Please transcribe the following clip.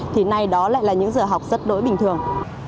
thì nay đó lại là những giờ học rất đối bình thường